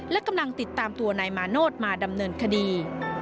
และกำลังติดตามตัวนายมาโนธมาดำเนินคดี